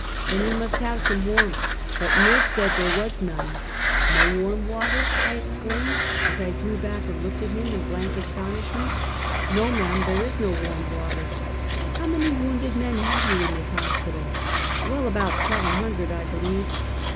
"" Then we must have some warm!" But nurse said there was none. "]^o warm water?" I exclaimed, as I drew back and looked at him, in blank astonishment. "]^o, ma'am! there's no warm water!" "How many w^ounded men have you in this hos pital?" " Well, about seven hundred, I believe."